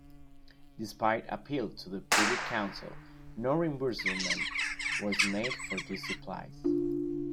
Despite appeals to the Privy Council no reimbursement was made for these supplies.